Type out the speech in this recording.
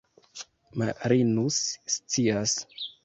Marinus scias.